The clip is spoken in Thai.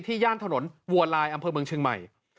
ย่านถนนวัวลายอำเภอเมืองเชียงใหม่